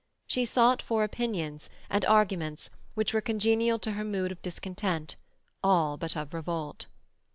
She sought for opinions and arguments which were congenial to her mood of discontent, all but of revolt.